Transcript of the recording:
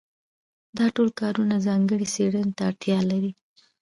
دا ټول کارونه ځانګړې څېړنې ته اړتیا لري.